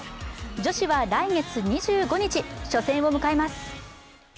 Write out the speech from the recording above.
女子は来月２５、初戦を迎えます。